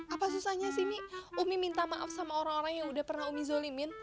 apa susahnya sini umi minta maaf sama orang orang yang udah pernah umi zolimin